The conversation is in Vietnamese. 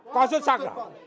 quá xuất sắc